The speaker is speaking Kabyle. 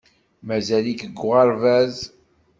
Mazal-ik deg uɣerbaz.